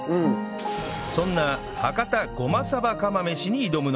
そんな博多ごまさば釜飯に挑むのは